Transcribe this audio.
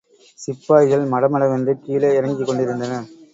சிப்பாய்கள் மடமடவென்று கீழே இறங்கிக் கொண்டிருந்தனர்.